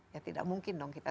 ya tidak mungkin dong kita